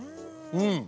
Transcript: うん！